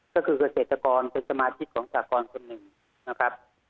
ก็คือเกษตรกรเป็นสมาชิกของสากรคนหนึ่งนะครับ